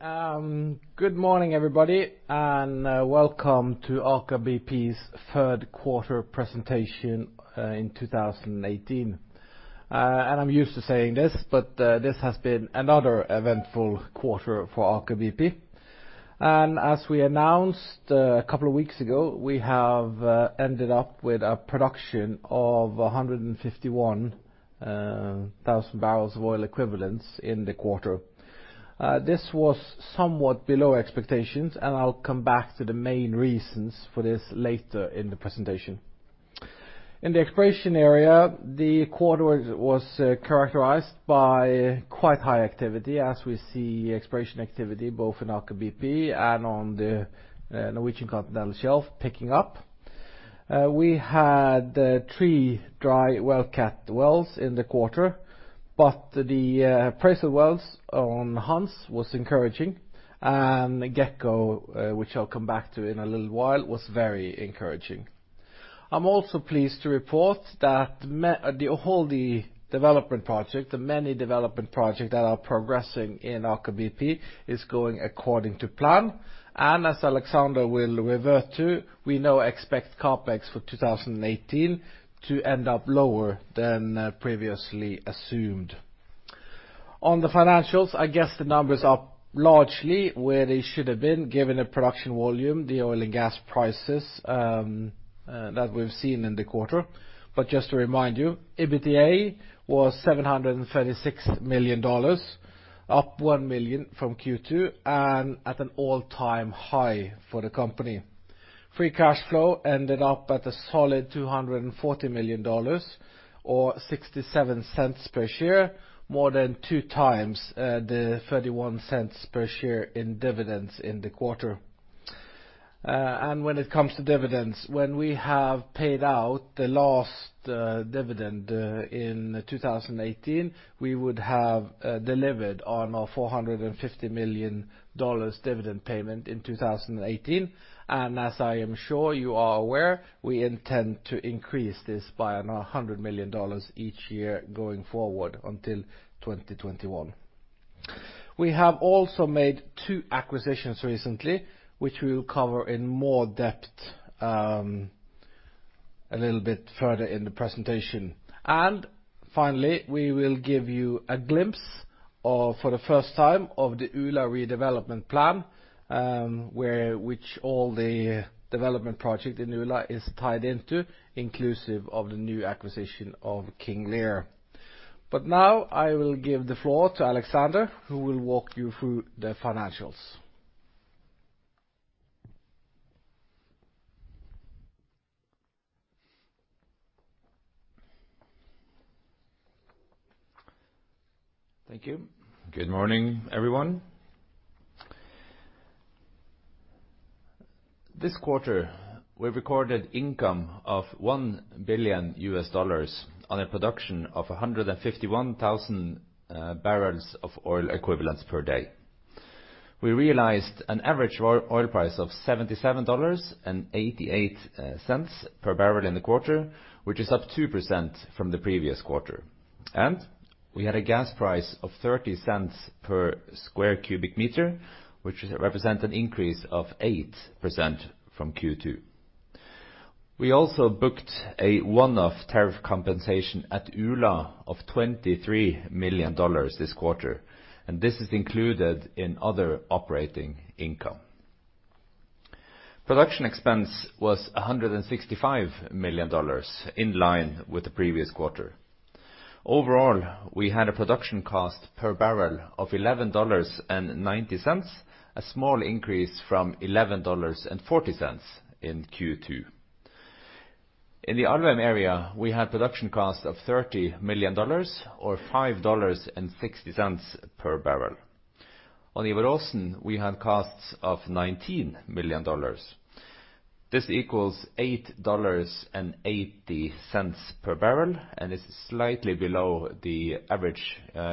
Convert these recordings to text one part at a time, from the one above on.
Good morning, everybody, welcome to Aker BP's third quarter presentation in 2018. I'm used to saying this has been another eventful quarter for Aker BP. As we announced a couple of weeks ago, we have ended up with a production of 151,000 barrels of oil equivalents in the quarter. This was somewhat below expectations, and I'll come back to the main reasons for this later in the presentation. In the exploration area, the quarter was characterized by quite high activity, as we see exploration activity both in Aker BP and on the Norwegian Continental Shelf picking up. We had three dry well cat wells in the quarter, but the appraisal wells on Hans was encouraging. Gekko, which I'll come back to in a little while, was very encouraging. I'm also pleased to report that all the development project, the many development project that are progressing in Aker BP is going according to plan. As Alexander will revert to, we now expect CapEx for 2018 to end up lower than previously assumed. On the financials, I guess the numbers are largely where they should have been, given the production volume, the oil and gas prices that we've seen in the quarter. Just to remind you, EBITDA was $736 million, up $1 million from Q2 and at an all-time high for the company. Free cash flow ended up at a solid $240 million or $0.67 per share, more than two times the $0.31 per share in dividends in the quarter. When it comes to dividends, when we have paid out the last dividend in 2018, we would have delivered on our $450 million dividend payment in 2018. As I am sure you are aware, we intend to increase this by $100 million each year going forward until 2021. We have also made two acquisitions recently, which we will cover in more depth a little bit further in the presentation. Finally, we will give you a glimpse for the first time of the Ula redevelopment plan, which all the development project in Ula is tied into, inclusive of the new acquisition of King Lear. Now I will give the floor to Alexander, who will walk you through the financials. Thank you. Good morning, everyone. This quarter, we recorded income of $1 billion on a production of 151,000 barrels of oil equivalents per day. We realized an average oil price of $77.88 per barrel in the quarter, which is up 2% from the previous quarter. We had a gas price of $0.30 per square cubic meter, which represent an increase of 8% from Q2. We also booked a one-off tariff compensation at Ula of $23 million this quarter, and this is included in other operating income. Production expense was $165 million, in line with the previous quarter. Overall, we had a production cost per barrel of $11.90, a small increase from $11.40 in Q2. In the Alvheim area, we had production cost of $30 million, or $5.60 per barrel. On Ivar Aasen, we had costs of $19 million. This equals $8.80 per barrel and is slightly below the average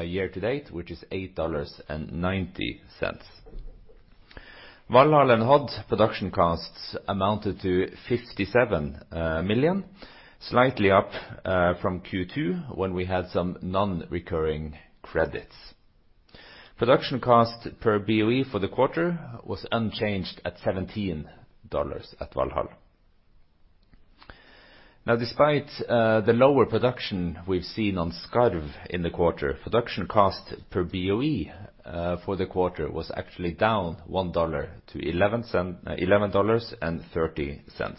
year to date, which is $8.90. Valhall and Hod production costs amounted to $57 million, slightly up from Q2 when we had some non-recurring credits. Production cost per BOE for the quarter was unchanged at $17 at Valhall. Despite the lower production we've seen on Skarv in the quarter, production cost per BOE for the quarter was actually down $1 to $11.30.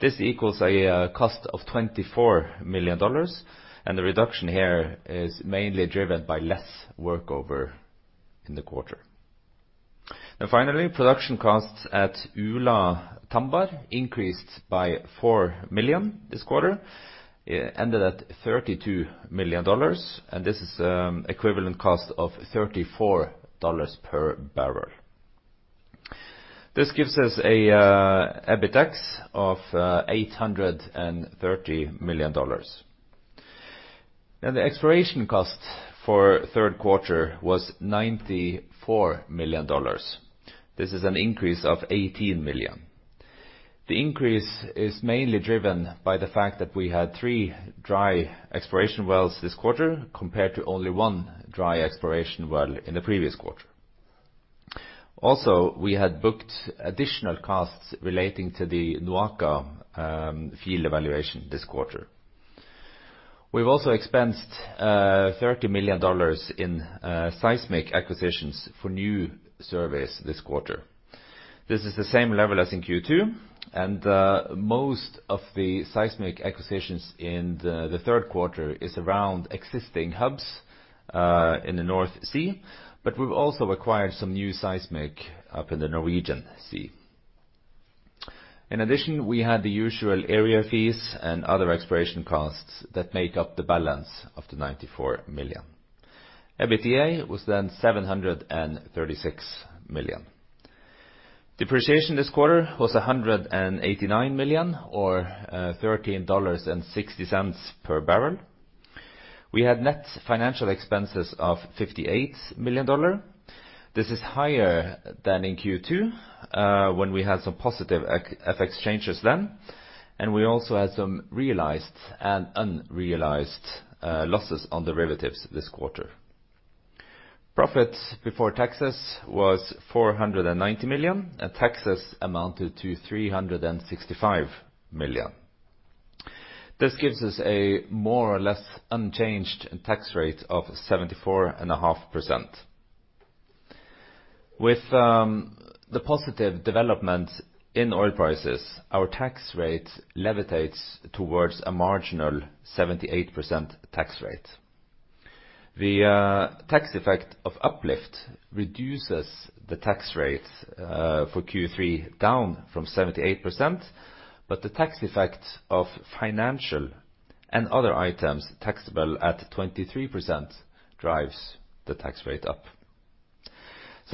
This equals a cost of $24 million, and the reduction here is mainly driven by less work over in the quarter. Finally, production costs at Ula Tambar increased by $4 million this quarter, ended at $32 million, and this is equivalent cost of $34 per barrel. This gives us an EBITDAX of $830 million. The exploration cost for third quarter was $94 million. This is an increase of $18 million. The increase is mainly driven by the fact that we had three dry exploration wells this quarter, compared to only one dry exploration well in the previous quarter. We had booked additional costs relating to the Nuara field evaluation this quarter. We've also expensed $30 million in seismic acquisitions for new surveys this quarter. This is the same level as in Q2, and most of the seismic acquisitions in the third quarter is around existing hubs in the North Sea. We've also acquired some new seismic up in the Norwegian Sea. We had the usual area fees and other exploration costs that make up the balance of the $94 million. EBITDA was then $736 million. Depreciation this quarter was $189 million, or $13.60 per barrel. We had net financial expenses of $58 million. This is higher than in Q2, when we had some positive FX changes then, and we also had some realized and unrealized losses on derivatives this quarter. Profits before taxes was $490 million. Taxes amounted to $365 million. This gives us a more or less unchanged tax rate of 74.5%. With the positive development in oil prices, our tax rate levitates towards a marginal 78% tax rate. The tax effect of uplift reduces the tax rate for Q3 down from 78%, but the tax effect of financial and other items taxable at 23% drives the tax rate up.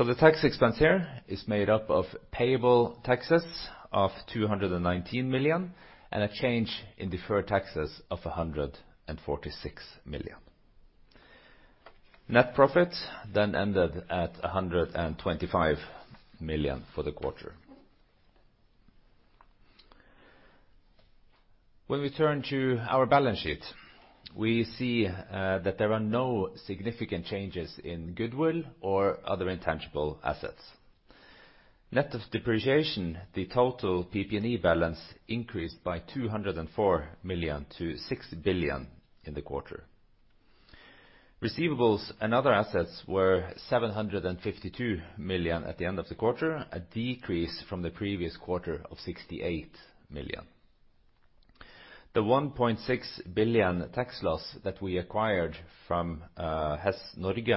The tax expense here is made up of payable taxes of $219 million, and a change in deferred taxes of $146 million. Net profit then ended at $125 million for the quarter. We turn to our balance sheet, we see that there are no significant changes in goodwill or other intangible assets. Net of depreciation, the total PP&E balance increased by $204 million to $6 billion in the quarter. Receivables and other assets were $752 million at the end of the quarter, a decrease from the previous quarter of $68 million. The $1.6 billion tax loss that we acquired from Hess Norge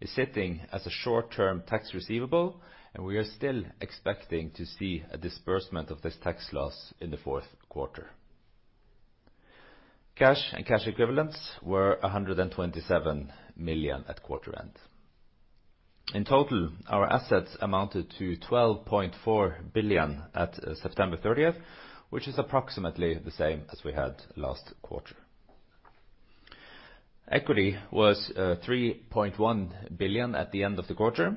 is sitting as a short-term tax receivable, and we are still expecting to see a disbursement of this tax loss in the fourth quarter. Cash and cash equivalents were $127 million at quarter end. Our assets amounted to $12.4 billion at September 30th, which is approximately the same as we had last quarter. Equity was $3.1 billion at the end of the quarter.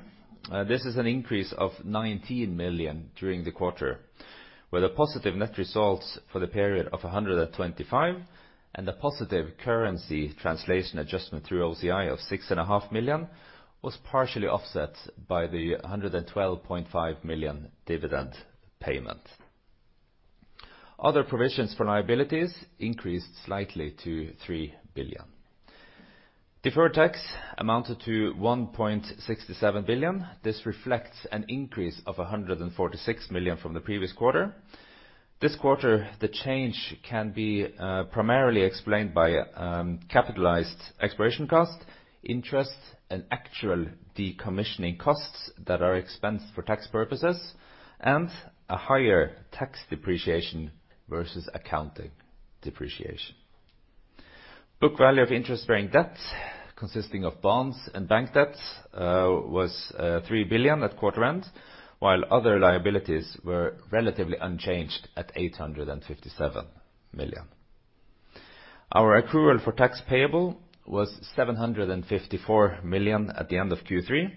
This is an increase of $19 million during the quarter, where the positive net results for the period of $125 million and the positive currency translation adjustment through OCI of $6.5 million was partially offset by the $112.5 million dividend payment. Other provisions for liabilities increased slightly to $3 billion. Deferred tax amounted to $1.67 billion. This reflects an increase of $146 million from the previous quarter. This quarter, the change can be primarily explained by capitalized exploration cost, interest, and actual decommissioning costs that are expensed for tax purposes, and a higher tax depreciation versus accounting depreciation. Book value of interest-bearing debt, consisting of bonds and bank debts, was $3 billion at quarter end, while other liabilities were relatively unchanged at $857 million. Our accrual for tax payable was $754 million at the end of Q3.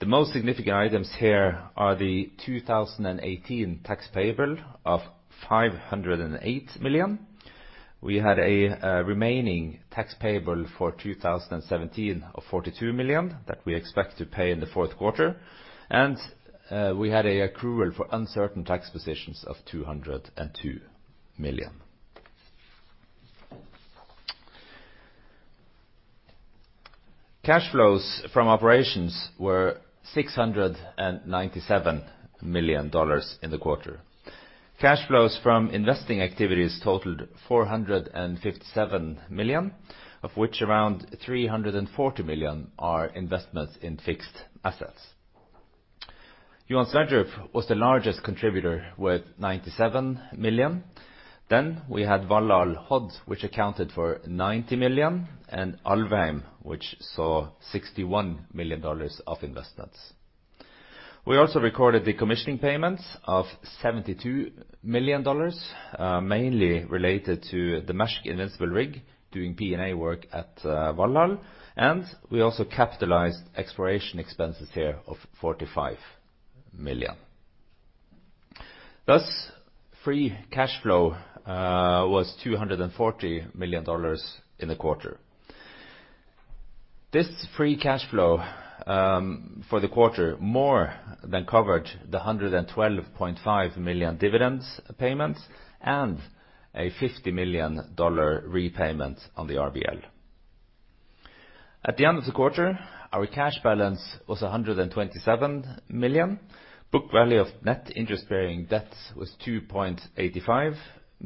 The most significant items here are the 2018 tax payable of $508 million. We had a remaining tax payable for 2017 of $42 million that we expect to pay in the fourth quarter, and we had an accrual for uncertain tax positions of $202 million. Cash flows from operations were $697 million in the quarter. Cash flows from investing activities totaled $457 million, of which around $340 million are investments in fixed assets. Johan Sverdrup was the largest contributor with $97 million. We had Valhall Hodd, which accounted for $90 million, and Alvheim, which saw $61 million of investments. We also recorded decommissioning payments of $72 million, mainly related to the Maersk Invincible rig doing P&A work at Valhall, and we also capitalized exploration expenses here of $45 million. Free cash flow was $240 million in the quarter. This free cash flow for the quarter more than covered the $112.5 million dividends payments and a $50 million repayment on the RBL. At the end of the quarter, our cash balance was $127 million. Book value of net interest-bearing debt was $2.85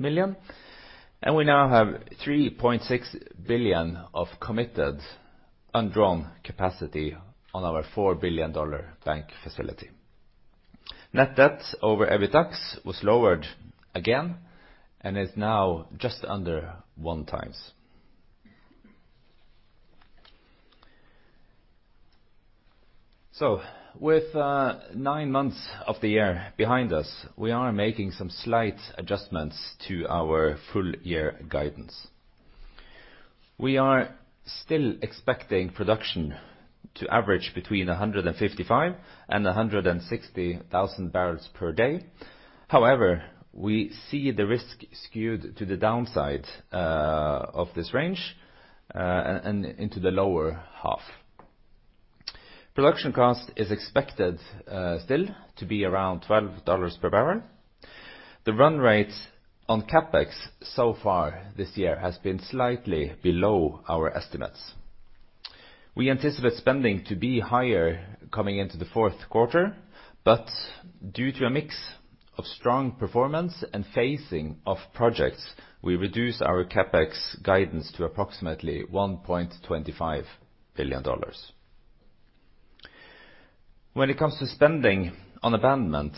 billion, and we now have $3.6 billion of committed undrawn capacity on our $4 billion bank facility. Net debt over EBITDA was lowered again and is now just under one times. With 9 months of the year behind us, we are making some slight adjustments to our full year guidance. We are still expecting production to average between 155,000 and 160,000 barrels per day. However, we see the risk skewed to the downside of this range and into the lower half. Production cost is expected still to be around $12 per barrel. The run rate on CapEx so far this year has been slightly below our estimates. We anticipate spending to be higher coming into the fourth quarter, due to a mix of strong performance and phasing of projects, we reduce our CapEx guidance to approximately $1.25 billion. When it comes to spending on abandonment,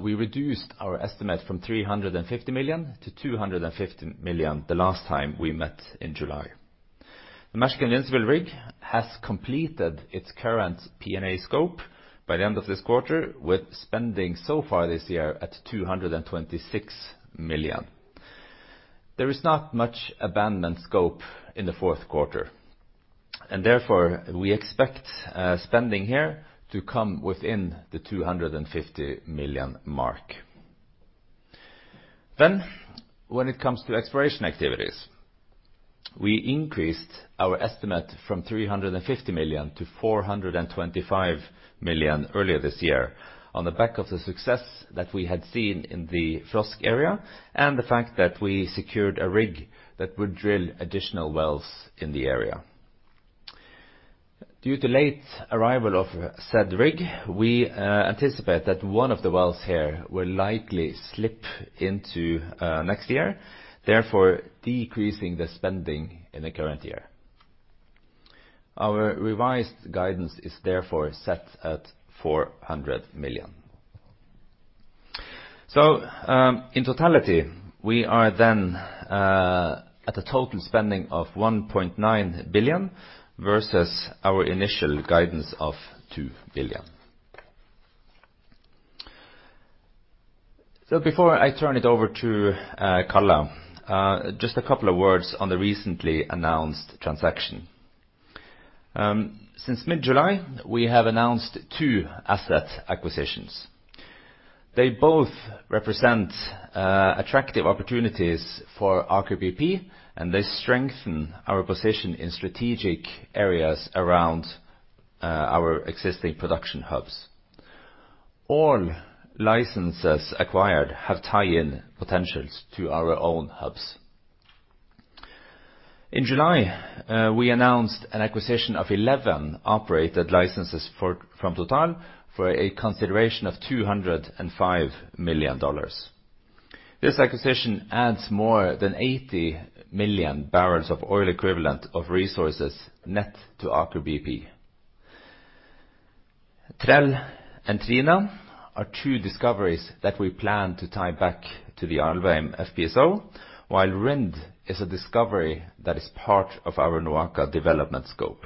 we reduced our estimate from $350 million to $250 million the last time we met in July. The Maersk Invincible rig has completed its current P&A scope by the end of this quarter, with spending so far this year at $226 million. There is not much abandonment scope in the fourth quarter. Therefore, we expect spending here to come within the $250 million mark. When it comes to exploration activities, we increased our estimate from 350 million to 425 million earlier this year on the back of the success that we had seen in the Frosk area and the fact that we secured a rig that would drill additional wells in the area. Due to late arrival of said rig, we anticipate that one of the wells here will likely slip into next year, therefore decreasing the spending in the current year. Our revised guidance is therefore set at 400 million. In totality, we are then at a total spending of 1.9 billion versus our initial guidance of 2 billion. Before I turn it over to Karl, just a couple of words on the recently announced transaction. Since mid-July, we have announced two asset acquisitions. They both represent attractive opportunities for Aker BP, and they strengthen our position in strategic areas around our existing production hubs. All licenses acquired have tie-in potentials to our own hubs. In July, we announced an acquisition of 11 operated licenses from Total for a consideration of $205 million. This acquisition adds more than 80 million BOE of resources net to Aker BP. Trell and Trine are two discoveries that we plan to tie back to the Alvheim FPSO, while Rind is a discovery that is part of our NOAKA development scope.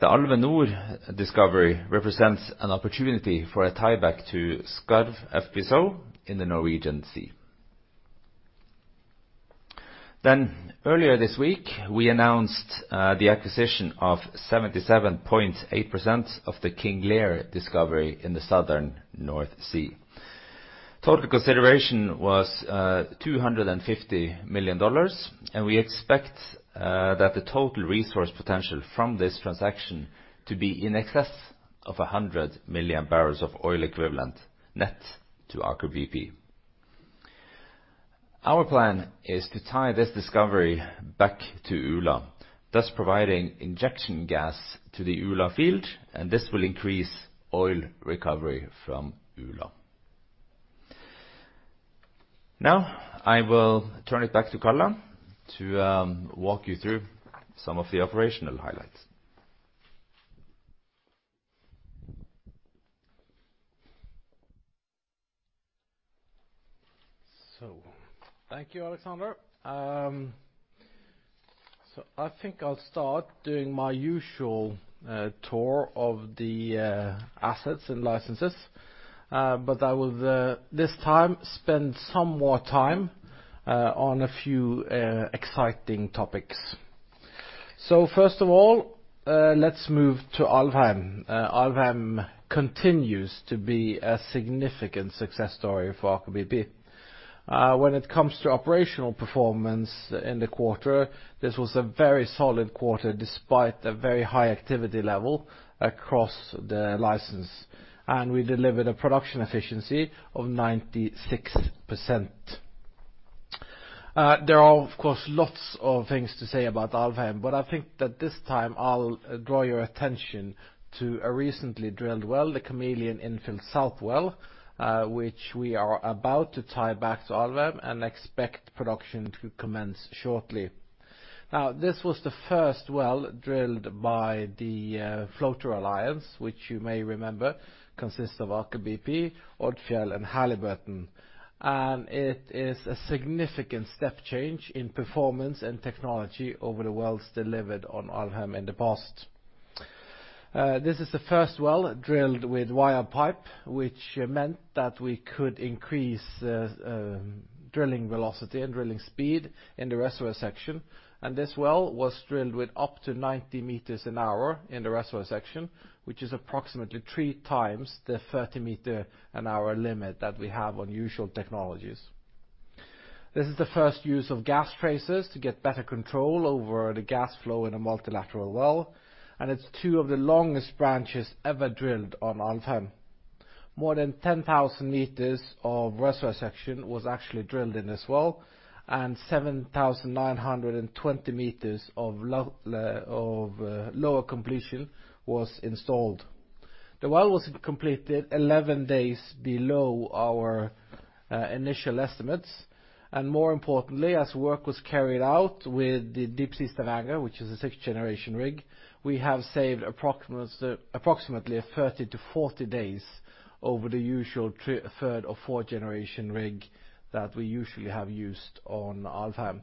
The Alvheim Nord discovery represents an opportunity for a tie-back to Skarv FPSO in the Norwegian Sea. Earlier this week, we announced the acquisition of 77.8% of the King Lear discovery in the southern North Sea. Total consideration was $250 million, and we expect that the total resource potential from this transaction to be in excess of 100 million BOE net to Aker BP. Our plan is to tie this discovery back to Ula, thus providing injection gas to the Ula field, and this will increase oil recovery from Ula. I will turn it back to Karl to walk you through some of the operational highlights. Thank you, Alexander. I think I'll start doing my usual tour of the assets and licenses. I will this time spend some more time on a few exciting topics First of all, let's move to Alvheim. Alvheim continues to be a significant success story for Aker BP. When it comes to operational performance in the quarter, this was a very solid quarter, despite the very high activity level across the license. We delivered a production efficiency of 96%. There are, of course, lots of things to say about Alvheim, but I think that this time I'll draw your attention to a recently drilled well, the Chameleon infill south well, which we are about to tie back to Alvheim and expect production to commence shortly. This was the first well drilled by the Floater Alliance, which you may remember consists of Aker BP, Odfjell, and Halliburton, and it is a significant step change in performance and technology over the wells delivered on Alvheim in the past. This is the first well drilled with wired pipe, which meant that we could increase the drilling velocity and drilling speed in the reservoir section, and this well was drilled with up to 90 meters an hour in the reservoir section, which is approximately three times the 30-meter-an-hour limit that we have on usual technologies. This is the first use of gas tracers to get better control over the gas flow in a multilateral well, and it's two of the longest branches ever drilled on Alvheim. More than 10,000 meters of reservoir section was actually drilled in this well, and 7,920 meters of lower completion was installed. The well was completed 11 days below our initial estimates, and more importantly, as work was carried out with the Deepsea Stavanger, which is a sixth-generation rig, we have saved approximately 30-40 days over the usual third- or fourth-generation rig that we usually have used on Alvheim.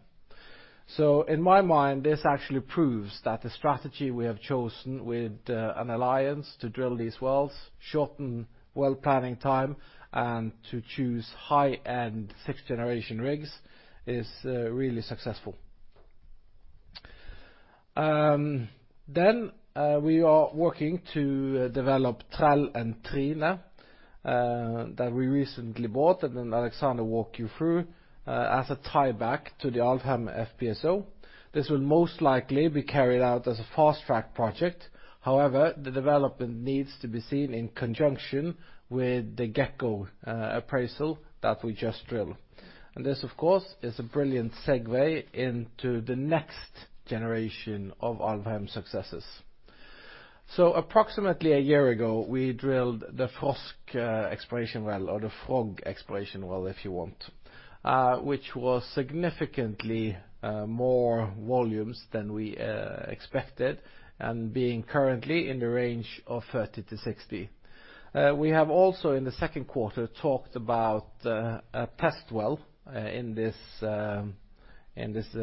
In my mind, this actually proves that the strategy we have chosen with an alliance to drill these wells, shorten well planning time, and to choose high-end sixth-generation rigs is really successful. We are working to develop Trell and Trine that we recently bought and Alexander walk you through as a tieback to the Alvheim FPSO. This will most likely be carried out as a fast-track project. However, the development needs to be seen in conjunction with the Gekko appraisal that we just drilled. This, of course, is a brilliant segue into the next generation of Alvheim successes. Approximately a year ago, we drilled the Frosk exploration well, or the Frosk exploration well, if you want, which was significantly more volumes than we expected and being currently in the range of 30-60. We have also, in the second quarter, talked about a test well in this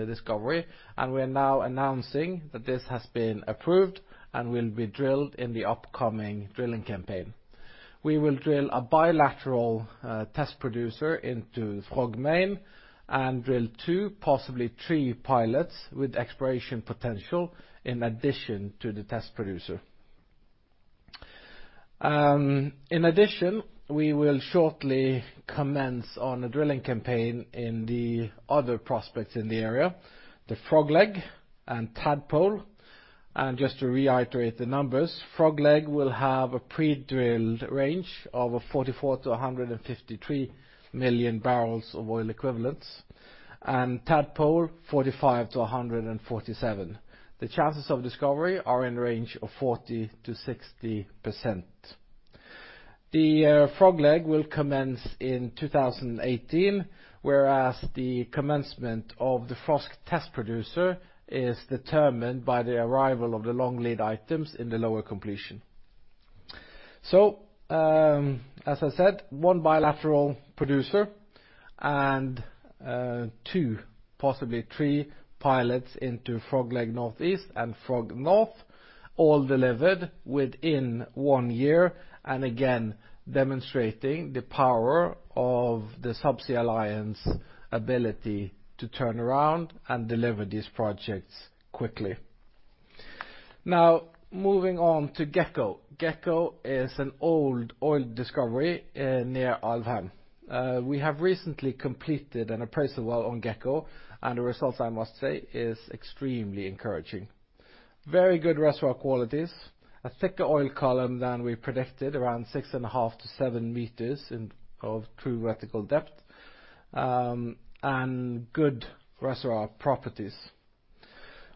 discovery, and we are now announcing that this has been approved and will be drilled in the upcoming drilling campaign. We will drill a bilateral test producer into Frosk Main and drill two, possibly three, pilots with exploration potential in addition to the test producer. In addition, we will shortly commence on a drilling campaign in the other prospects in the area, the Frosk Leg and Tadpole. Just to reiterate the numbers, Frosk Leg will have a pre-drilled range of 44-153 million barrels of oil equivalents, and Tadpole 45-147. The chances of discovery are in range of 40%-60%. The Frosk Leg will commence in 2018, whereas the commencement of the Frosk test producer is determined by the arrival of the long-lead items in the lower completion. As I said, one bilateral producer and two, possibly three, pilots into Frosk Leg Northeast and Frosk North all delivered within one year and again demonstrating the power of the subsea alliance ability to turn around and deliver these projects quickly. Moving on to Gekko. Gekko is an old oil discovery near Alvheim. We have recently completed an appraisal well on Gekko, and the results, I must say, is extremely encouraging. Very good reservoir qualities, a thicker oil column than we predicted, around six and a half to seven meters of true vertical depth, and good reservoir properties.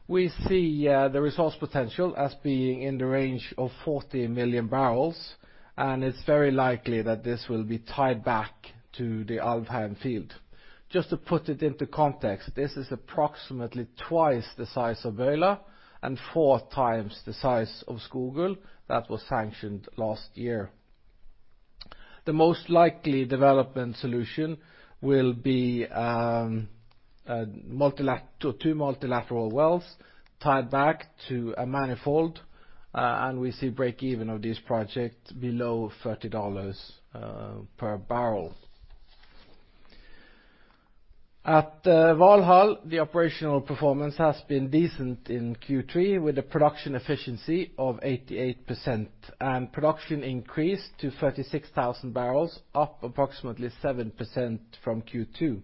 We see the resource potential as being in the range of 40 million barrels, it's very likely that this will be tied back to the Alvheim field. Just to put it into context, this is approximately twice the size of Ula and four times the size of Skrugard that was sanctioned last year. The most likely development solution will be two multilateral wells tied back to a manifold, we see break even of this project below $30 per barrel. At Valhall, the operational performance has been decent in Q3, with a production efficiency of 88%, production increased to 36,000 barrels, up approximately 7% from Q2.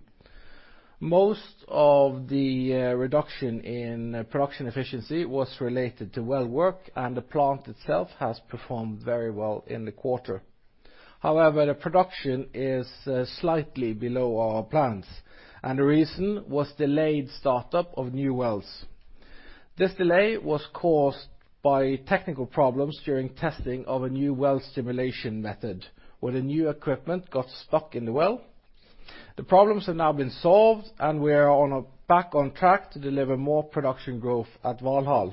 Most of the reduction in production efficiency was related to well work, the plant itself has performed very well in the quarter. However, the production is slightly below our plans, the reason was delayed startup of new wells. This delay was caused by technical problems during testing of a new well stimulation method, where the new equipment got stuck in the well. The problems have now been solved, we are back on track to deliver more production growth at Valhall.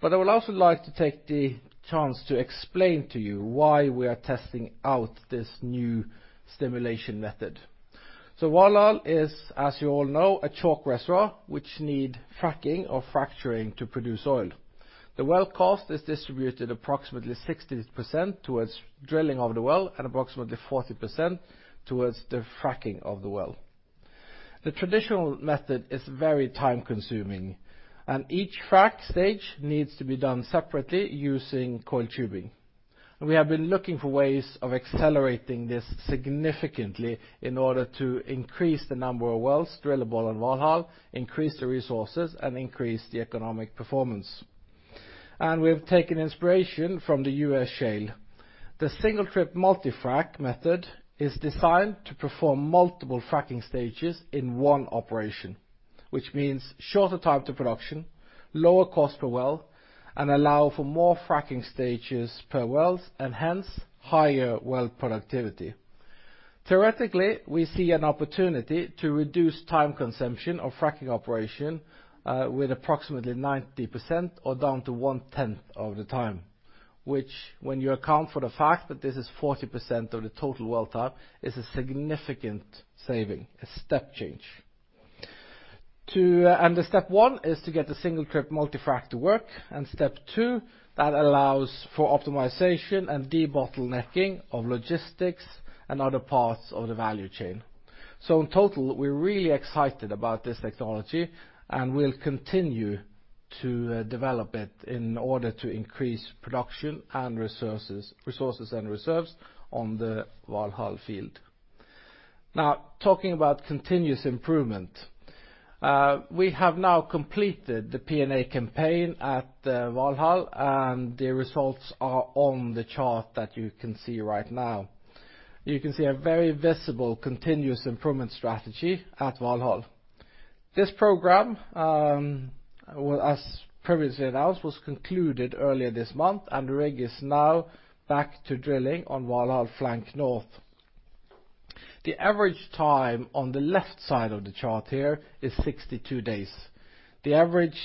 I would also like to take the chance to explain to you why we are testing out this new stimulation method. Valhall is, as you all know, a chalk reservoir, which need fracking or fracturing to produce oil. The well cost is distributed approximately 60% towards drilling of the well and approximately 40% towards the fracking of the well. The traditional method is very time-consuming, each frack stage needs to be done separately using coiled tubing. We have been looking for ways of accelerating this significantly in order to increase the number of wells drillable on Valhall, increase the resources, and increase the economic performance. We have taken inspiration from the U.S. Shale. The single-trip multi-frac method is designed to perform multiple fracking stages in one operation, which means shorter time to production, lower cost per well, allow for more fracking stages per well and hence higher well productivity. Theoretically, we see an opportunity to reduce time consumption of fracking operation with approximately 90% or down to one-tenth of the time, which, when you account for the fact that this is 40% of the total well time, is a significant saving, a step change. The step one is to get the single-trip multi-frac to work, step two, that allows for optimization and de-bottlenecking of logistics and other parts of the value chain. In total, we're really excited about this technology and will continue to develop it in order to increase production and resources and reserves on the Valhall field. Now, talking about continuous improvement. We have now completed the P&A campaign at Valhall, the results are on the chart that you can see right now. You can see a very visible continuous improvement strategy at Valhall. This program, as previously announced, was concluded earlier this month, the rig is now back to drilling on Valhall Flank North. The average time on the left side of the chart here is 62 days. The average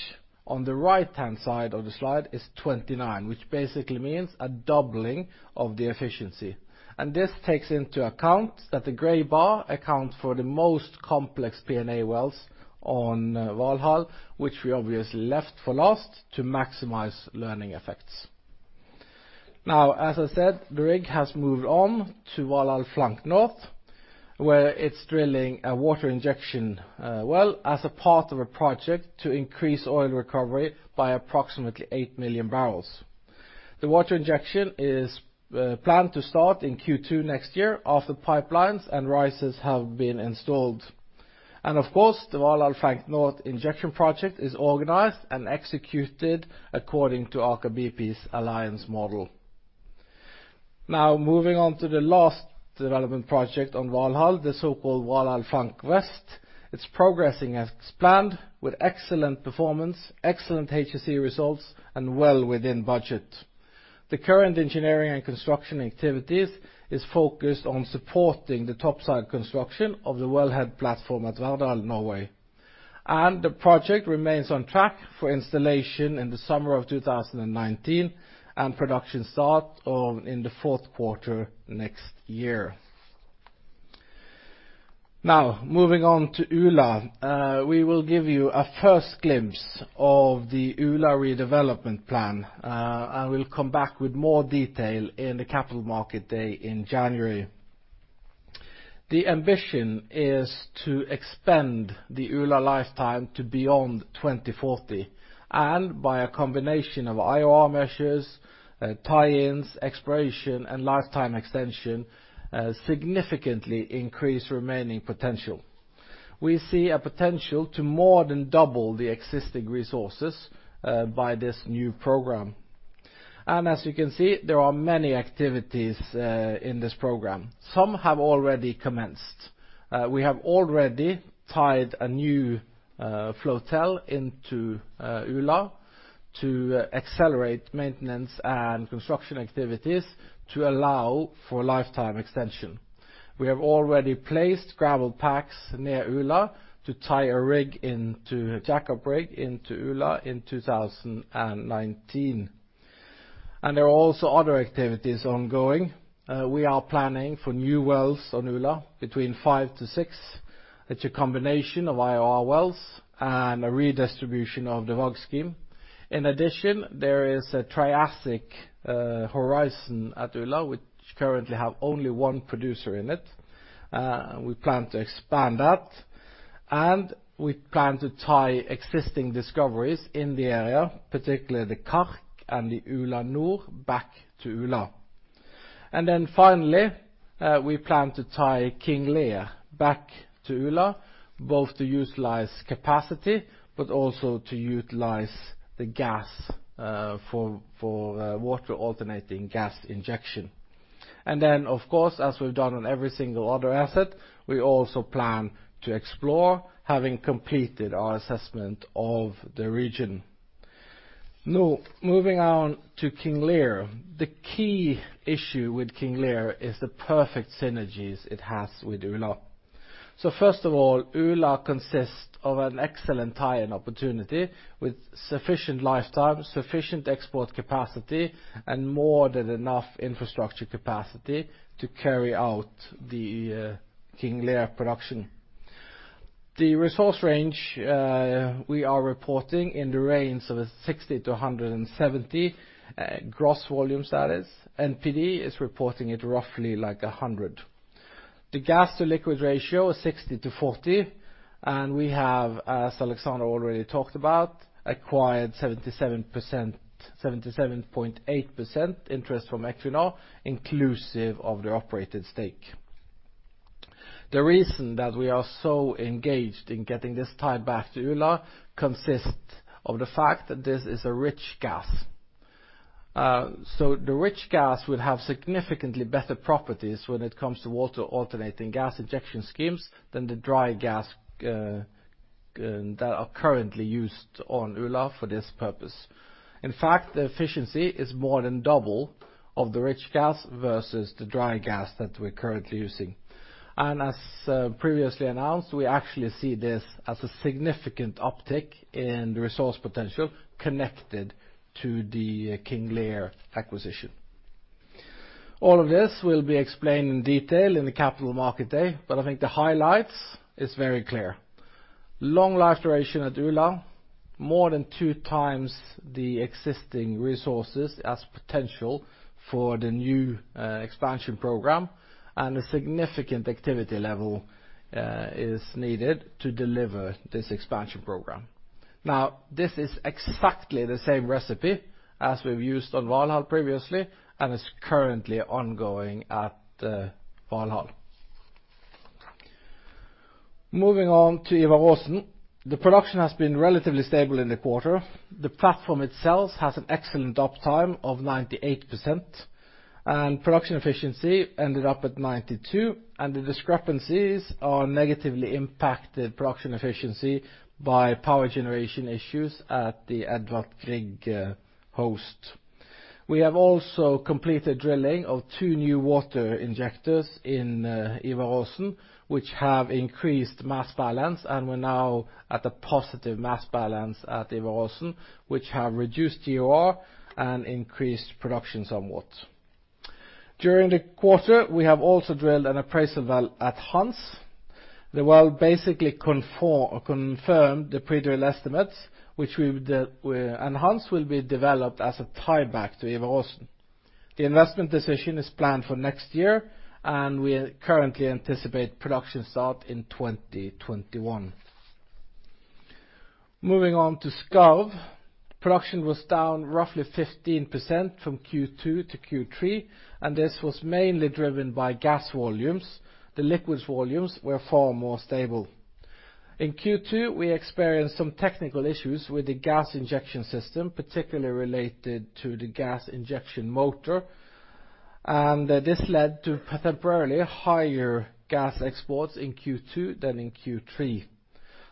on the right-hand side of the slide is 29, which basically means a doubling of the efficiency. This takes into account that the gray bar accounts for the most complex P&A wells on Valhall, which we obviously left for last to maximize learning effects. As I said, the rig has moved on to Valhall Flank North, where it's drilling a water injection well as a part of a project to increase oil recovery by approximately 8 million barrels. The water injection is planned to start in Q2 next year after pipelines and risers have been installed. Of course, the Valhall Flank North injection project is organized and executed according to Aker BP's alliance model. Moving on to the last development project on Valhall, the so-called Valhall Flank West. It's progressing as planned with excellent performance, excellent HSE results, and well within budget. The current engineering and construction activities is focused on supporting the topside construction of the wellhead platform at Valhall, Norway. The project remains on track for installation in the summer of 2019 and production start in the fourth quarter next year. Moving on to Ula. We will give you a first glimpse of the Ula redevelopment plan, and we'll come back with more detail in the capital market day in January. The ambition is to expand the Ula lifetime to beyond 2040, by a combination of IOR measures, tie-ins, exploration, and lifetime extension, significantly increase remaining potential. We see a potential to more than double the existing resources by this new program. As you can see, there are many activities in this program. Some have already commenced. We have already tied a new flotel into Ula to accelerate maintenance and construction activities to allow for lifetime extension. We have already placed gravel packs near Ula to tie a jackup rig into Ula in 2019. There are also other activities ongoing. We are planning for new wells on Ula between 5 to 6. It's a combination of IOR wells and a redistribution of the WAG scheme. In addition, there is a Triassic horizon at Ula, which currently have only one producer in it. We plan to expand that, and we plan to tie existing discoveries in the area, particularly the Kark and the Ula Nord back to Ula. Finally, we plan to tie King Lear back to Ula, both to utilize capacity, but also to utilize the gas for water alternating gas injection. Of course, as we've done on every single other asset, we also plan to explore, having completed our assessment of the region. Moving on to King Lear. The key issue with King Lear is the perfect synergies it has with Ula. First of all, Ula consists of an excellent tie-in opportunity with sufficient lifetime, sufficient export capacity, and more than enough infrastructure capacity to carry out the King Lear production. The resource range we are reporting in the range of 60 to 170 gross volumes that is, NPD is reporting it roughly like 100. The gas-to-liquid ratio is 60 to 40, and we have, as Alexander already talked about, acquired 77.8% interest from Equinor, inclusive of the operated stake. The reason that we are so engaged in getting this tied back to Ula consists of the fact that this is a rich gas. The rich gas will have significantly better properties when it comes to water alternating gas injection schemes than the dry gas that are currently used on Ula for this purpose. In fact, the efficiency is more than double of the rich gas versus the dry gas that we're currently using. As previously announced, we actually see this as a significant uptick in the resource potential connected to the King Lear acquisition. All of this will be explained in detail in the Capital Market Day, but I think the highlights is very clear. Long life duration at Ula, more than two times the existing resources as potential for the new expansion program, and a significant activity level is needed to deliver this expansion program. This is exactly the same recipe as we've used on Valhall previously, and is currently ongoing at Valhall. Moving on to Ivar Aasen. The production has been relatively stable in the quarter. The platform itself has an excellent uptime of 98%, and production efficiency ended up at 92%. The discrepancies are negatively impacted production efficiency by power generation issues at the Edvard Grieg host. We have also completed drilling of two new water injectors in Ivar Aasen, which have increased mass balance, and we're now at a positive mass balance at Ivar Aasen which have reduced GOR and increased production somewhat. During the quarter, we have also drilled an appraisal well at Hans. The well basically confirmed the pre-drill estimates and Hans will be developed as a tie-back to Ivar Aasen. The investment decision is planned for next year, and we currently anticipate production start in 2021. Moving on to Skarv. Production was down roughly 15% from Q2 to Q3, and this was mainly driven by gas volumes. The liquids volumes were far more stable. In Q2, we experienced some technical issues with the gas injection system, particularly related to the gas injection motor, and this led to temporarily higher gas exports in Q2 than in Q3.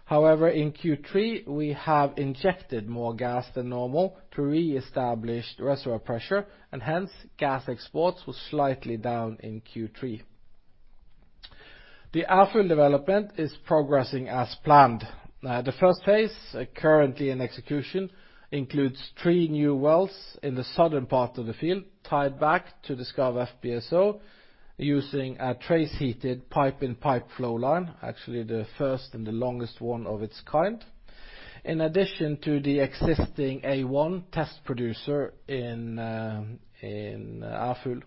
However, in Q3, we have injected more gas than normal to reestablish reservoir pressure, and hence gas exports were slightly down in Q3. The Alvheim development is progressing as planned. The first phase, currently in execution, includes three new wells in the southern part of the field, tied back to the Skarv FPSO using a trace heated pipe-in-pipe flow line. Actually, the first and the longest one of its kind. In addition to the existing A1 test producer in Alvheim.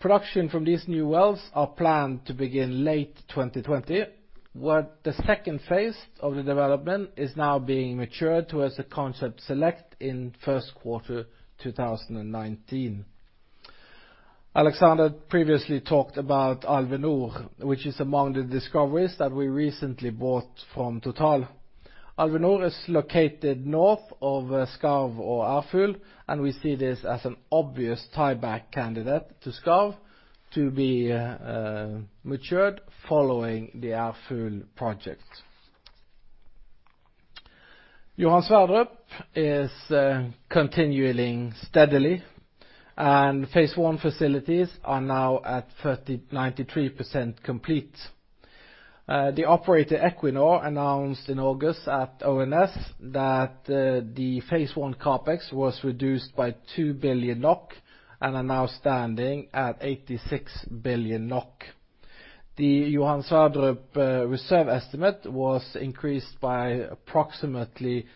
Production from these new wells are planned to begin late 2020, where the second phase of the development is now being matured towards the concept select in first quarter 2019. Alexander previously talked about Alvheim Nord, which is among the discoveries that we recently bought from Total. Alvheim Nord is located north of Skarv or Alvheim, and we see this as an obvious tie-back candidate to Skarv to be matured following the Alvheim project. Johan Sverdrup is continuing steadily. Phase one facilities are now at 93% complete. The operator, Equinor, announced in August at ONS that the phase one CapEx was reduced by 2 billion NOK and are now standing at 86 billion NOK. The Johan Sverdrup reserve estimate was increased by approximately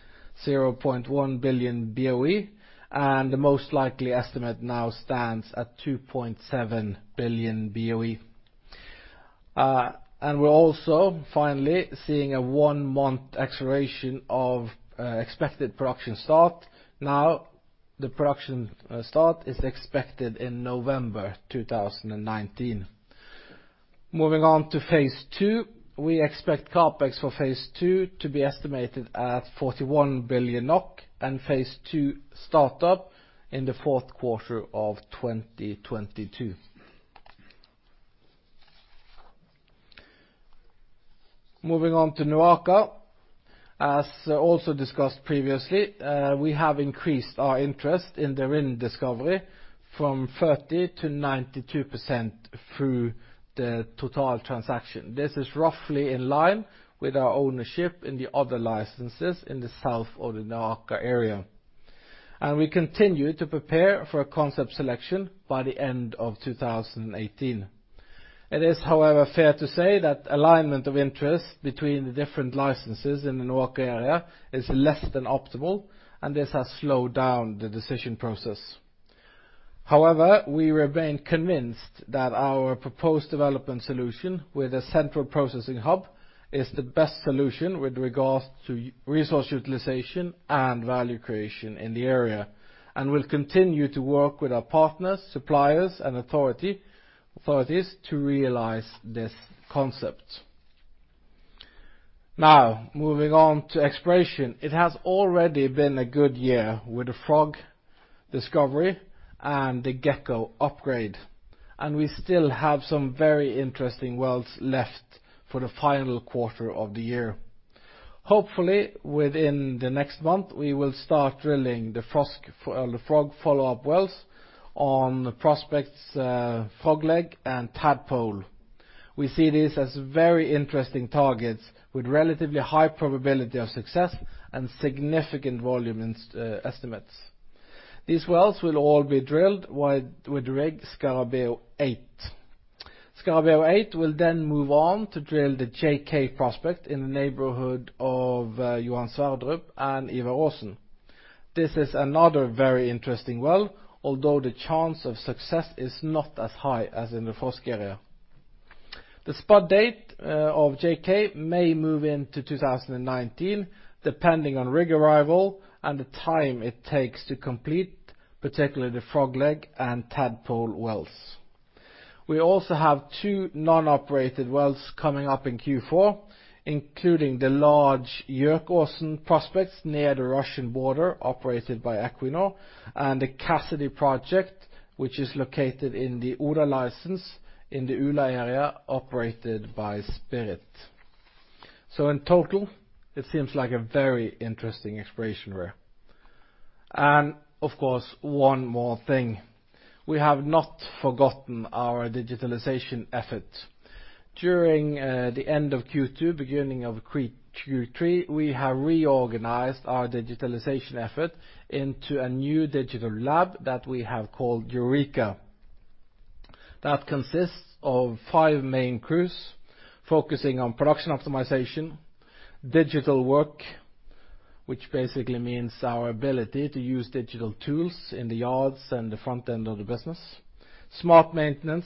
0.1 billion BOE, and the most likely estimate now stands at 2.7 billion BOE. We're also finally seeing a one-month acceleration of expected production start. The production start is expected in November 2019. Moving on to phase two, we expect CapEx for phase two to be estimated at 41 billion NOK and phase two start up in the fourth quarter of 2022. Moving on to NOAKA. As also discussed previously, we have increased our interest in the Rind discovery from 30%-92% through the Total transaction. This is roughly in line with our ownership in the other licenses in the South of the NOAKA area. We continue to prepare for a concept selection by the end of 2018. It is, however, fair to say that alignment of interest between the different licenses in the NOAKA area is less than optimal and this has slowed down the decision process. We remain convinced that our proposed development solution with a central processing hub is the best solution with regards to resource utilization and value creation in the area and will continue to work with our partners, suppliers and authorities to realize this concept. Now moving on to exploration. It has already been a good year with the Frosk discovery and the Gekko upgrade. We still have some very interesting wells left for the final quarter of the year. Hopefully within the next month, we will start drilling the Frosk follow-up wells on the prospects, Frog Leg and Tadpole. We see this as very interesting targets with relatively high probability of success and significant volume estimates. These wells will all be drilled with rig Scarabeo 8. Scarabeo 8 will move on to drill the JK prospect in the neighborhood of Johan Sverdrup and Ivar Aasen. This is another very interesting well, although the chance of success is not as high as in the Frosk area. The spud date of JK may move into 2019, depending on rig arrival and the time it takes to complete, particularly the Frog Leg and Tadpole wells. We also have two non-operated wells coming up in Q4, including the large Jøkåsen prospects near the Russian border, operated by Equinor, and the Cassidy project, which is located in the Oda license in the Ula area operated by Spirit. In total, it seems like a very interesting exploration year. Of course, one more thing. We have not forgotten our digitalization efforts. During the end of Q2, beginning of Q3, we have reorganized our digitalization effort into a new digital lab that we have called Eureka. That consists of five main crews focusing on production optimization, digital work, which basically means our ability to use digital tools in the yards and the front end of the business, smart maintenance,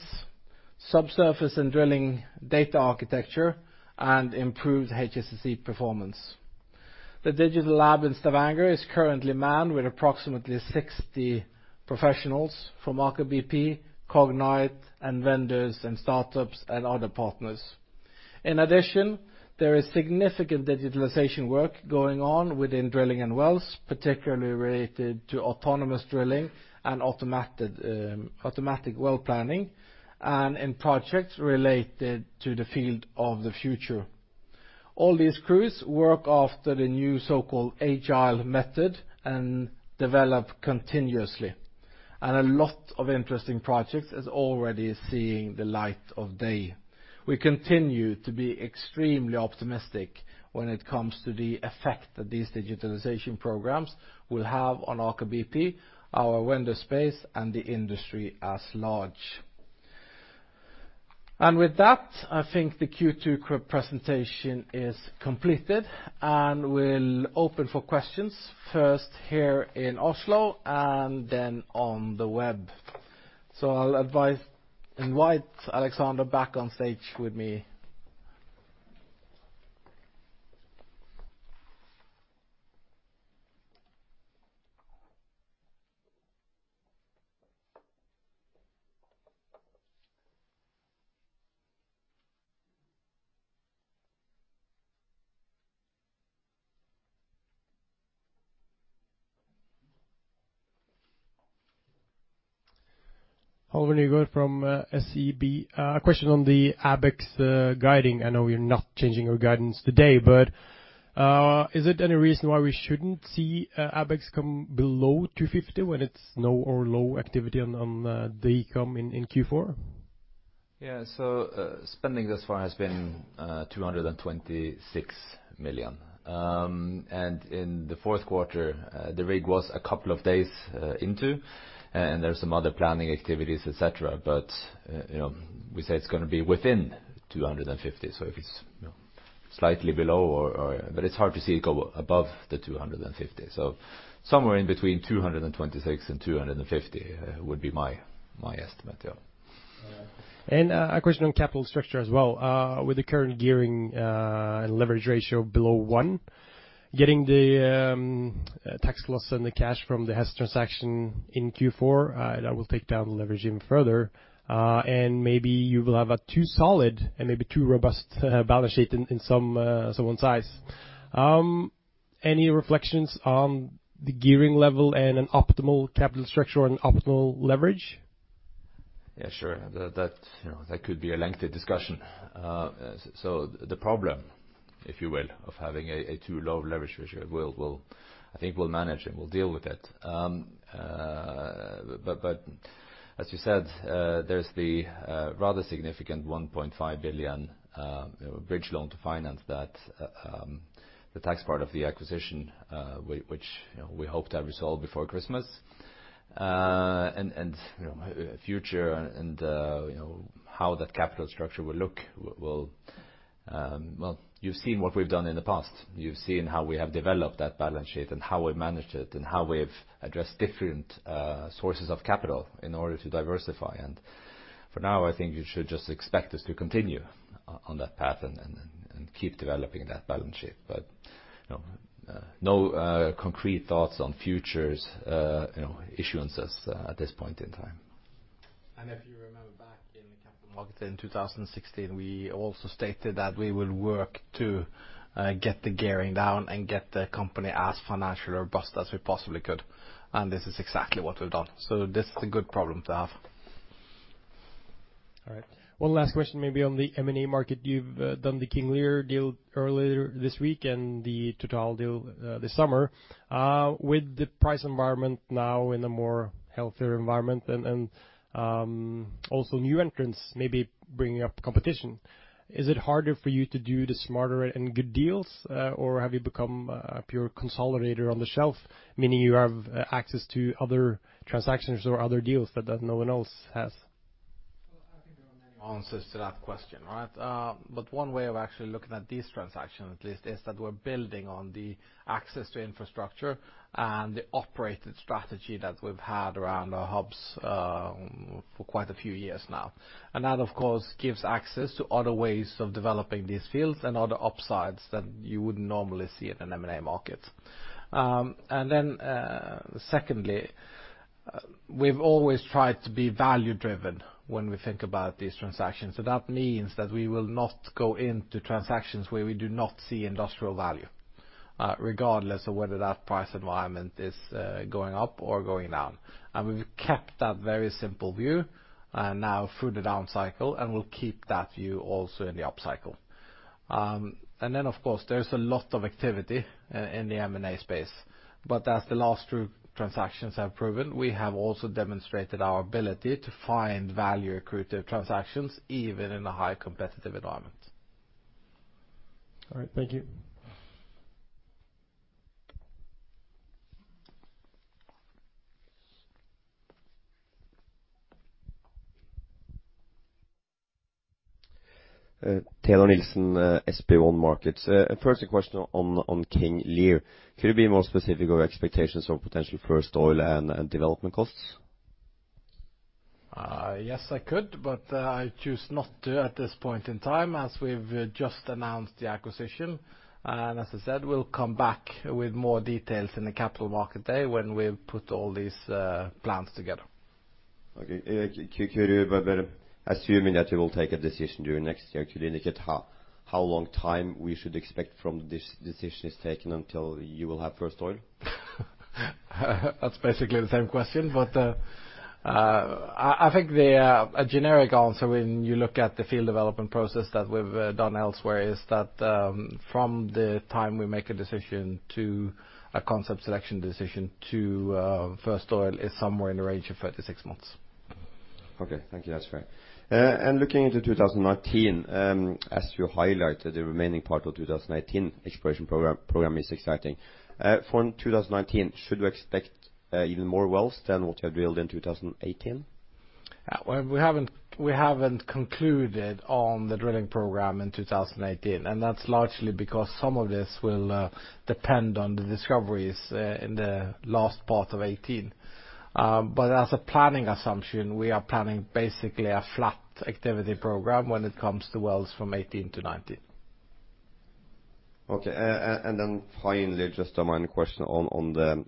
subsurface and drilling data architecture, and improved HSSE performance. The digital lab in Stavanger is currently manned with approximately 60 professionals from Aker BP, Cognite, and vendors and startups and other partners. In addition, there is significant digitalization work going on within drilling and wells, particularly related to autonomous drilling and automatic well planning and in projects related to the field of the future. All these crews work after the new so-called agile method and develop continuously. A lot of interesting projects is already seeing the light of day. We continue to be extremely optimistic when it comes to the effect that these digitalization programs will have on Aker BP, our vendor space, and the industry as large. With that, I think the Q2 presentation is completed and we'll open for questions first here in Oslo and then on the web. I'll invite Alexander back on stage with me. Halvor Nygaard from SEB. A question on the OpEx guiding. I know you're not changing your guidance today, is there any reason why we shouldn't see OpEx come below $250 million when it's no or low activity on the decom in Q4? Yeah. Spending thus far has been $226 million. In the fourth quarter, the rig was a couple of days into, and there are some other planning activities, et cetera, we say it's going to be within $250 million. If it's slightly below or it's hard to see it go above the $250 million. Somewhere in between $226 million and $250 million would be my estimate. Yeah. All right. A question on capital structure as well. With the current gearing leverage ratio below one, getting the tax loss and the cash from the Hess transaction in Q4, that will take down leverage even further. Maybe you will have a too solid and maybe too robust balance sheet in someone's eyes. Any reflections on the gearing level and an optimal capital structure and optimal leverage? Yeah, sure. That could be a lengthy discussion. The problem, if you will, of having a too low leverage ratio, I think we'll manage and we'll deal with it. As you said, there's the rather significant 1.5 billion bridge loan to finance that, the tax part of the acquisition, which we hope to have resolved before Christmas. Future and how that capital structure will look will. Well, you've seen what we've done in the past. You've seen how we have developed that balance sheet and how we've managed it and how we've addressed different sources of capital in order to diversify. For now, I think you should just expect us to continue on that path and keep developing that balance sheet. No concrete thoughts on future issuances at this point in time. If you remember back in the capital market in 2016, we also stated that we will work to get the gearing down and get the company as financially robust as we possibly could. This is exactly what we've done. This is a good problem to have. All right. One last question maybe on the M&A market. You've done the King Lear deal earlier this week and the Total deal this summer. With the price environment now in a more healthier environment and also new entrants maybe bringing up competition, is it harder for you to do the smarter and good deals? Or have you become a pure consolidator on the shelf, meaning you have access to other transactions or other deals that no one else has? Well, I think there are many answers to that question, right? One way of actually looking at these transactions at least, is that we're building on the access to infrastructure and the operated strategy that we've had around our hubs for quite a few years now. That, of course, gives access to other ways of developing these fields and other upsides that you wouldn't normally see in an M&A market. Secondly, we've always tried to be value driven when we think about these transactions. That means that we will not go into transactions where we do not see industrial value, regardless of whether that price environment is going up or going down. We've kept that very simple view now through the down cycle, and we'll keep that view also in the upcycle. There's a lot of activity in the M&A space, but as the last two transactions have proven, we have also demonstrated our ability to find value-accretive transactions even in a high-competitive environment. All right. Thank you. Teodor Nilsen, SB1 Markets. First question on King Lear. Could you be more specific of expectations for potential first oil and development costs? Yes, I could, I choose not to at this point in time as we've just announced the acquisition. As I said, we'll come back with more details in the capital market day when we've put all these plans together. Okay. Could you, assuming that you will take a decision during next year, could you indicate how long time we should expect from this decision is taken until you will have first oil? That's basically the same question, but I think a generic answer when you look at the field development process that we've done elsewhere is that from the time we make a decision to a concept selection decision to first oil is somewhere in the range of 36 months. Okay. Thank you. That's fair. Looking into 2019, as you highlighted, the remaining part of 2019 exploration program is exciting. For 2019, should we expect even more wells than what you have drilled in 2018? We haven't concluded on the drilling program in 2018, and that's largely because some of this will depend on the discoveries in the last part of 2018. As a planning assumption, we are planning basically a flat activity program when it comes to wells from 2018 to 2019. Finally, just a minor question on the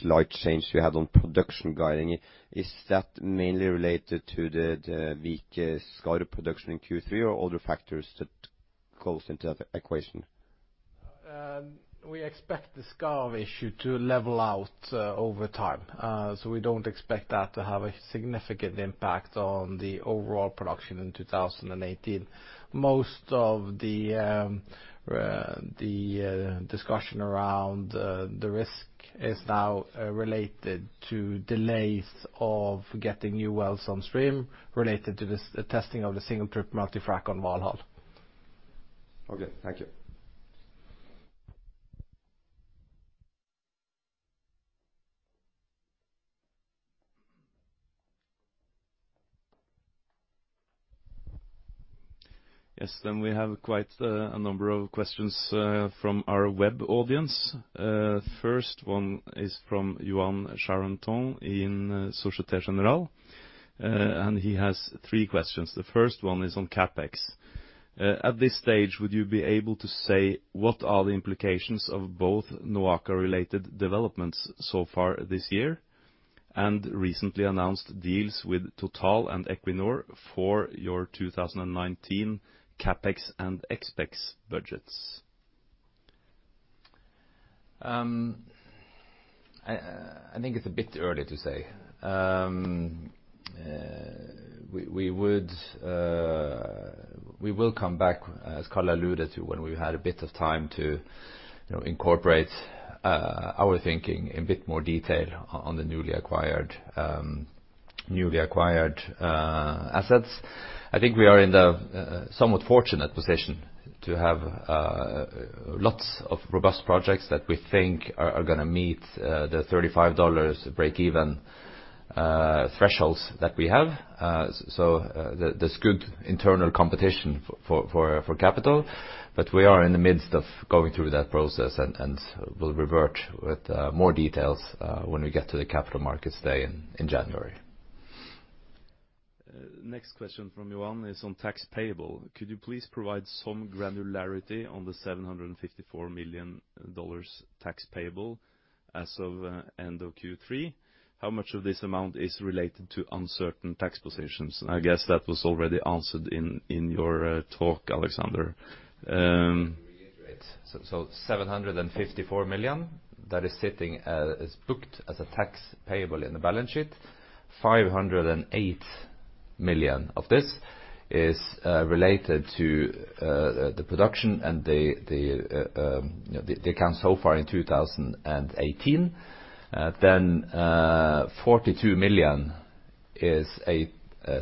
slight change you had on production guiding. Is that mainly related to the weak Skarv production in Q3 or other factors that goes into that equation? We expect the Skarv issue to level out over time. We don't expect that to have a significant impact on the overall production in 2018. Most of the discussion around the risk is now related to delays of getting new wells on stream related to the testing of the single-trip multi-frac on Valhall. Okay. Thank you. Yes. We have quite a number of questions from our web audience. First one is from Yoann Charenton in Societe Generale. He has three questions. The first one is on CapEx. At this stage, would you be able to say what are the implications of both NOAKA-related developments so far this year, and recently announced deals with Total and Equinor for your 2019 CapEx and ExpEx budgets? I think it's a bit early to say. We will come back, as Karl alluded to, when we've had a bit of time to incorporate our thinking in bit more detail on the newly acquired assets. I think we are in the somewhat fortunate position to have lots of robust projects that we think are going to meet the $35 break-even thresholds that we have. There's good internal competition for capital. We are in the midst of going through that process, and we'll revert with more details when we get to the Capital Markets Day in January. Next question from Yoann is on tax payable. Could you please provide some granularity on the $754 million tax payable as of end of Q3? How much of this amount is related to uncertain tax positions? I guess that was already answered in your talk, Alexander. Reiterate. $754 million that is sitting as booked as a tax payable in the balance sheet, $508 million of this is related to the production and the account so far in 2018. $42 million is a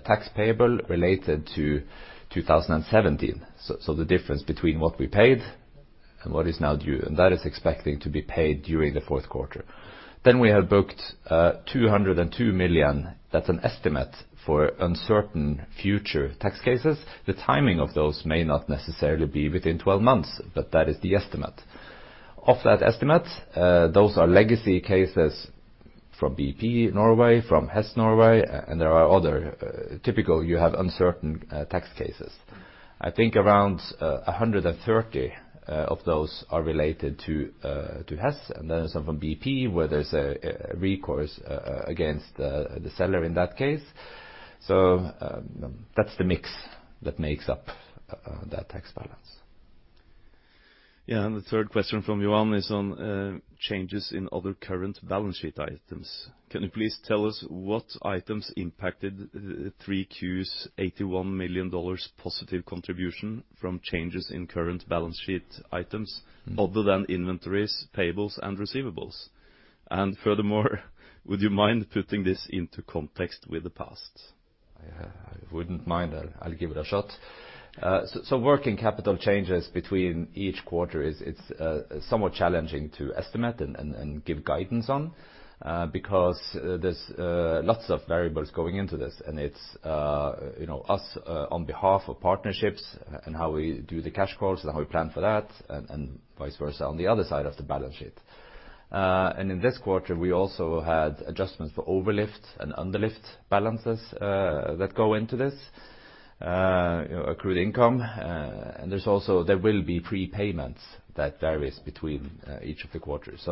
tax payable related to 2017. The difference between what we paid and what is now due, and that is expecting to be paid during the fourth quarter. We have booked $202 million. That's an estimate for uncertain future tax cases. The timing of those may not necessarily be within 12 months, but that is the estimate. Of that estimate, those are legacy cases from BP Norge, from Hess Norge, and there are other typical you have uncertain tax cases. I think around 130 of those are related to Hess, and then some from BP where there's a recourse against the seller in that case. That's the mix that makes up that tax balance. Yeah, the third question from Yoann is on changes in other current balance sheet items. Can you please tell us what items impacted 3Q's $81 million positive contribution from changes in current balance sheet items other than inventories, payables, and receivables? Furthermore, would you mind putting this into context with the past? I wouldn't mind. I'll give it a shot. Working capital changes between each quarter, it's somewhat challenging to estimate and give guidance on, because there's lots of variables going into this, and it's us on behalf of partnerships and how we do the cash calls and how we plan for that and vice versa on the other side of the balance sheet. In this quarter, we also had adjustments for overlift and underlift balances that go into this accrued income. There will be prepayments that varies between each of the quarters.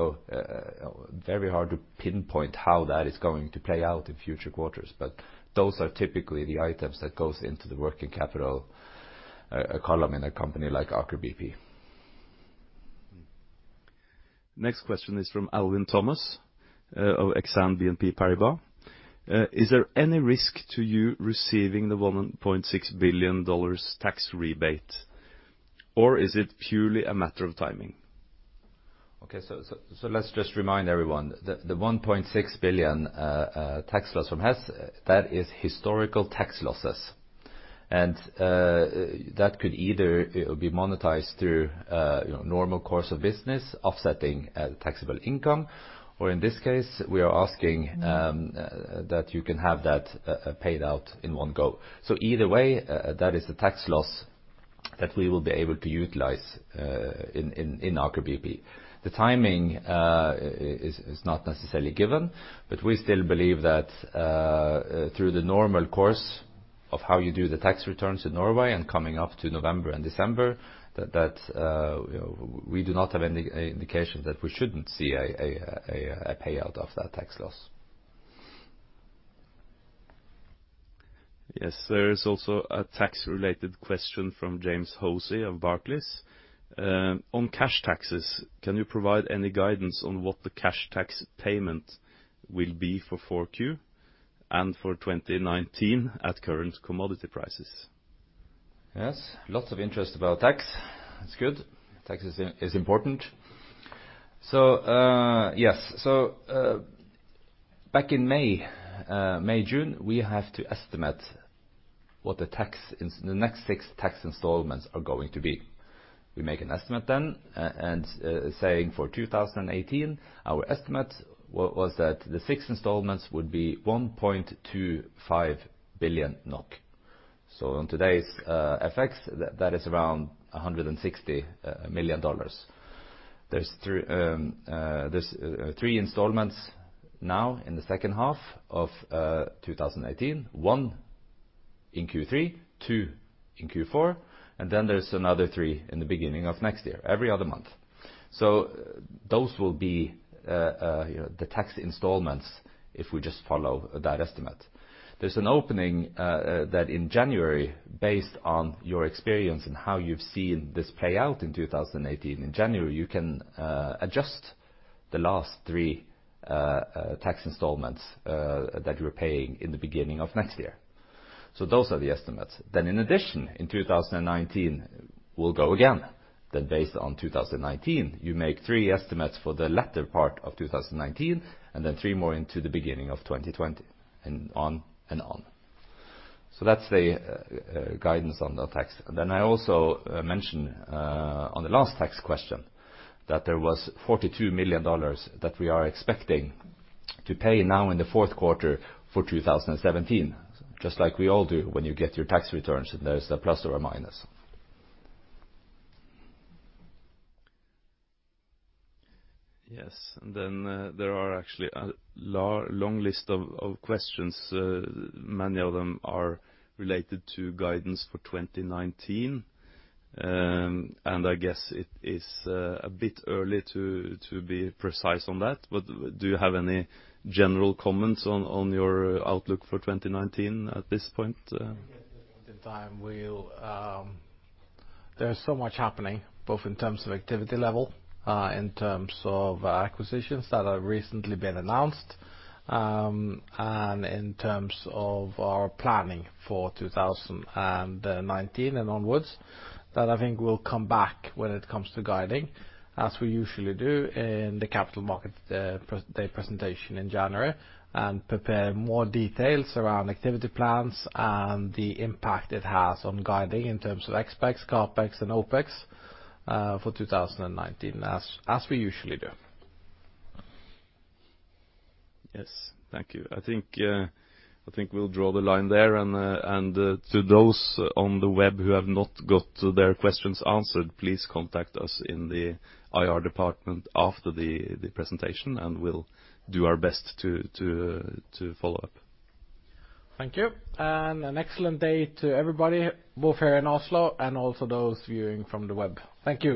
Very hard to pinpoint how that is going to play out in future quarters. Those are typically the items that goes into the working capital column in a company like Aker BP. Next question is from Alwyn Thomas of Exane BNP Paribas. Is there any risk to you receiving the $1.6 billion tax rebate, or is it purely a matter of timing? Okay, let's just remind everyone, the $1.6 billion tax loss from Hess, that is historical tax losses. That could either be monetized through normal course of business offsetting taxable income, or in this case, we are asking that you can have that paid out in one go. Either way, that is the tax loss that we will be able to utilize in Aker BP. The timing is not necessarily given, but we still believe that through the normal course of how you do the tax returns in Norway and coming up to November and December, that we do not have any indication that we shouldn't see a payout of that tax loss. Yes. There is also a tax related question from James Hosie of Barclays. On cash taxes, can you provide any guidance on what the cash tax payment will be for 4Q and for 2019 at current commodity prices? Yes, lots of interest about tax. That is good. Tax is important. Yes. Back in May, June, we have to estimate what the next six tax installments are going to be. We make an estimate then, saying for 2018, our estimate was that the six installments would be 1.25 billion NOK. On today's FX, that is around $160 million. There are three installments now in the second half of 2018, one in Q3, two in Q4, and then there are another three in the beginning of next year, every other month. Those will be the tax installments if we just follow that estimate. There is an opening that in January, based on your experience and how you have seen this play out in 2018, in January, you can adjust the last three tax installments that you were paying in the beginning of next year. Those are the estimates. In addition, in 2019, we will go again. Based on 2019, you make three estimates for the latter part of 2019, and then three more into the beginning of 2020, and on and on. That is the guidance on the tax. I also mentioned on the last tax question that there was $42 million that we are expecting to pay now in the fourth quarter for 2017, just like we all do when you get your tax returns, and there is a plus or a minus. Yes. There are actually a long list of questions. Many of them are related to guidance for 2019. I guess it is a bit early to be precise on that, but do you have any general comments on your outlook for 2019 at this point? I guess at this point in time, there's so much happening, both in terms of activity level, in terms of acquisitions that have recently been announced, and in terms of our planning for 2019 and onwards, that I think we'll come back when it comes to guiding, as we usually do in the capital market day presentation in January, and prepare more details around activity plans and the impact it has on guiding in terms of CapEx, OpEx, and CapEx for 2019, as we usually do. Yes. Thank you. I think we'll draw the line there. To those on the web who have not got their questions answered, please contact us in the IR department after the presentation, and we'll do our best to follow up. Thank you. An excellent day to everybody, both here in Oslo and also those viewing from the web. Thank you.